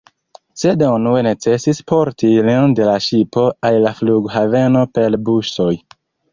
Sed unue necesis porti ilin de la ŝipo al la flughaveno per busoj.